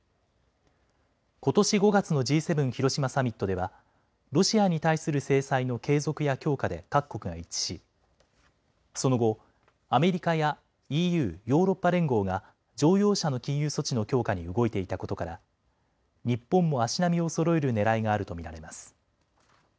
ことし５月のＧ７広島サミットではロシアに対する制裁の継続や強化で各国が一致しその後、アメリカやＥＵ・ヨーロッパ連合が乗用車の禁輸措置の強化に動いていたことから日本も足並みをそろえるねらいがあると見られます。